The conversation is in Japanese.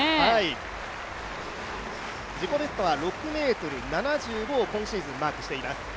自己ベストは６ｍ７５を今年マークしています。